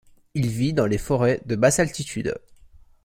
Il vit dans les forêts de basse altitude.